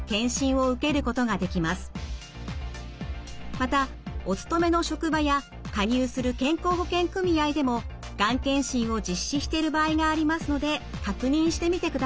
またお勤めの職場や加入する健康保険組合でもがん検診を実施している場合がありますので確認してみてください。